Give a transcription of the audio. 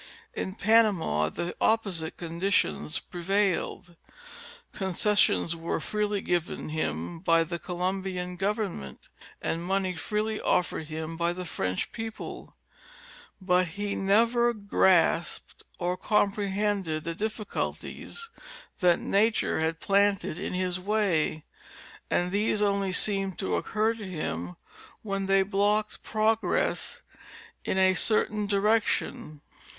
In Panama the opposite conditions prevailed. Concessions were freely given him by the Colombian government and money freely offered him by the French people, but he never grasped or comprehended the difficulties that nature had planted in his way, and these only seemed to occur to him when they blocked progress in a certain direction.